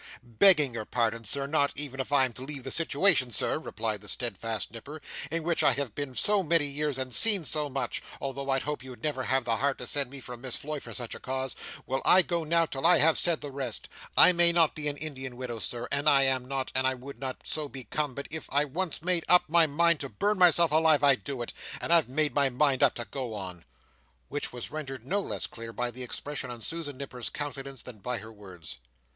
"Begging your pardon, not even if I am to leave the situation, Sir," replied the steadfast Nipper, "in which I have been so many years and seen so much—although I hope you'd never have the heart to send me from Miss Floy for such a cause—will I go now till I have said the rest, I may not be a Indian widow Sir and I am not and I would not so become but if I once made up my mind to burn myself alive, I'd do it! And I've made my mind up to go on." Which was rendered no less clear by the expression of Susan Nipper's countenance, than by her words.